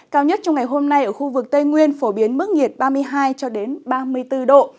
cao nhất trong ngày hôm nay ở khu vực tây nguyên phổ biến mức nhiệt ba mươi hai ba mươi bốn độ